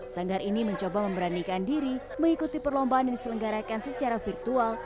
sanggar ini mencoba memberanikan diri mengikuti perlombaan yang diselenggarakan secara virtual